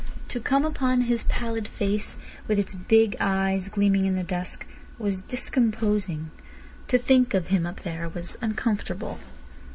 To come upon his pallid face, with its big eyes gleaming in the dusk, was discomposing; to think of him up there was uncomfortable.